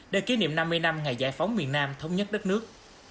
để kỷ niệm năm mươi năm ngày giải phóng miền nam thống nhất đất nước